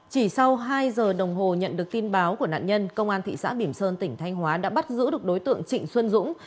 chỉ sau hai giờ đồng hồ nhận được tin báo của nạn nhân công an thị xã bỉm sơn tỉnh thanh hóa đã bắt giữ được đối tượng trịnh xuân dũng